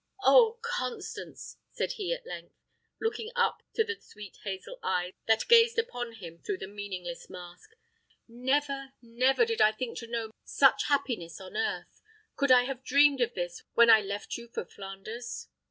"Oh, Constance!" said he at length, looking up to the sweet hazel eyes that gazed upon him through the meaningless mask; "never, never did I think to know such happiness on earth! Could I have dreamed of this when I left you for Flanders?"